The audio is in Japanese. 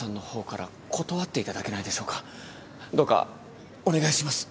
どうかお願いします。